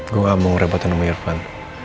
gue gak mau ngerebutin sama mirvan